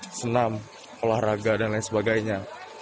senam olahraga dan lain sebagainya